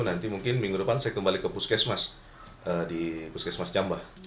nanti mungkin minggu depan saya kembali ke puskesmas di puskesmas jambah